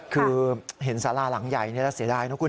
คือเห็นสาราหลังใหญ่แล้วเสียดายนะคุณ